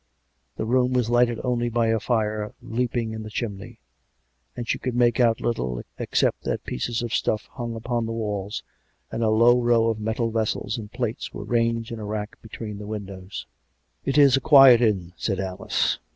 The room was lighted only by a fire leaping in the chimney; and she could make out little, except that pieces of stuff hung upon the walls, and a long row of metal vessels and plates were ranged in a rack be tween the windows. " It is a quiet inn," said Alice.